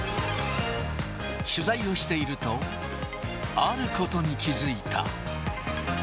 取材をしていると、あることに気付いた。